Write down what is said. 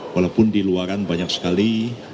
walaupun di luaran banyak sekali